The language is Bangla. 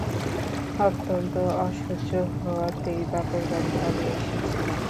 অত্যন্ত অসহ্য হওয়াতেই বাপের বাড়ি পালিয়ে এসেছিল।